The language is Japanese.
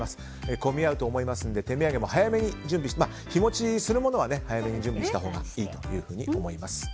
混み合うと思いますので手土産も日持ちするものは早めに準備したほうがいいと思います。